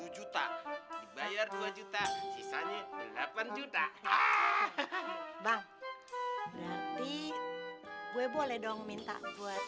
sepuluh juta dibayar dua juta sisanya delapan juta ah hahaha bang berarti gue boleh dong minta buat